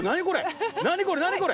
何これ！